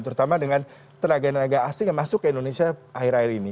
terutama dengan tenaga tenaga asing yang masuk ke indonesia akhir akhir ini